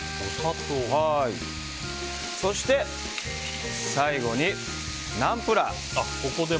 そして、最後にナンプラー。